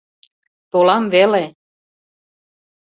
— Толам веле.